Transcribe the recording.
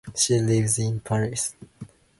She lives in Paris.